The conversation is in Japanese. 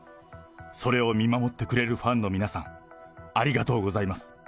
それを見守ってくれるファンの皆さん、ありがとうございます。